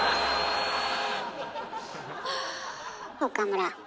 岡村。